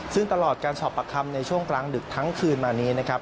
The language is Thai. ซึ่งตลอดการสอบประคำในช่วงกลางดึกทั้งคืนมานี้นะครับ